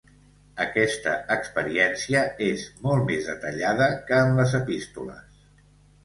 Aquesta experiència és molt més detallada que en les Epístoles.